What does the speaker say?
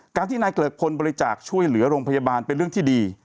การที่นายเกลิกพลบริจาคช่วยเหลือโรงพยาบาลเป็นเรื่องที่ดี